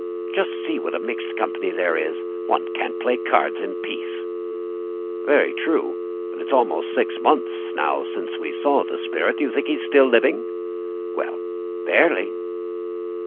"Just see what a mixed company there is! One can't play cards in peace." "Very true. But it's almost six months since we saw the Spirit. Do you think he's a living being?" "Well, barely."